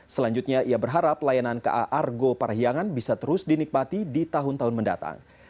selanjutnya ia berharap layanan ka argo parahiangan bisa terus dinikmati di tahun tahun mendatang